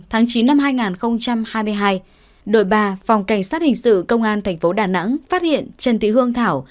tháng chín năm hai nghìn hai mươi hai đội ba phòng cảnh sát hình sự công an thành phố đà nẵng phát hiện trần thị hương thảo